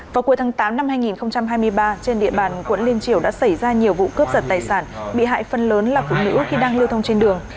vào cuối tháng tám năm hai nghìn hai mươi ba trên địa bàn quận liên triều đã xảy ra nhiều vụ cướp giật tài sản bị hại phần lớn là phụ nữ khi đang lưu thông trên đường